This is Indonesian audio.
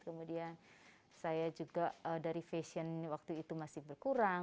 kemudian saya juga dari fashion waktu itu masih berkurang